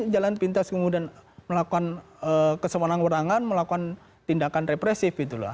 jalan pintas kemudian melakukan kesemuanan kekurangan melakukan tindakan represif itulah